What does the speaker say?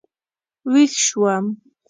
وېښ شوم.